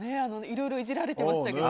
いろいろイジられてましたが。